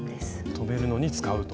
留めるのに使うと。